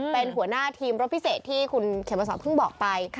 เป็นหัวหน้าทีมรถพิเศษที่คุณเขมสอนเพิ่งบอกไป